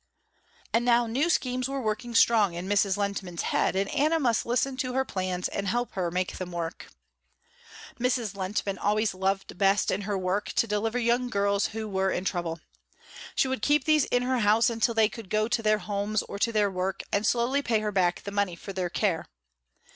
And now new schemes were working strong in Mrs. Lehntman's head, and Anna must listen to her plans and help her make them work. Mrs. Lehntman always loved best in her work to deliver young girls who were in trouble. She would keep these in her house until they could go to their homes or to their work, and slowly pay her back the money for their care.